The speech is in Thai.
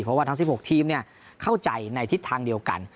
เพราะว่าทั้ง๑๖ทีมเข้าใจในทิศทางเดียวกัน